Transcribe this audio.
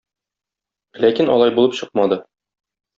Ләкин алай булып чыкмады.